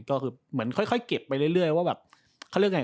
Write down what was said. ก็คือเหมือนค่อยเก็บไปเรื่อยว่าแบบเขาเรียกไง